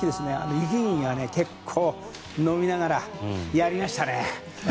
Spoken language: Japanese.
「雪國」はね、結構飲みながらやりましたね！